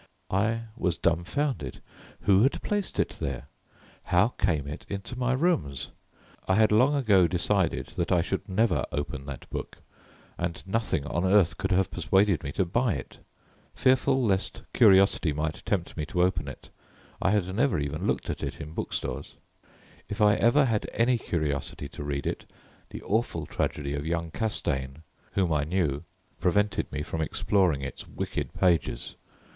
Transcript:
_" I was dumfounded. Who had placed it there? How came it in my rooms? I had long ago decided that I should never open that book, and nothing on earth could have persuaded me to buy it. Fearful lest curiosity might tempt me to open it, I had never even looked at it in book stores. If I ever had had any curiosity to read it, the awful tragedy of young Castaigne, whom I knew, prevented me from exploring its wicked pages.